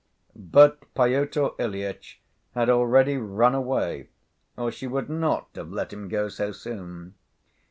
But Pyotr Ilyitch had already run away or she would not have let him go so soon.